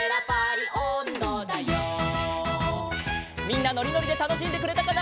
みんなのりのりでたのしんでくれたかな？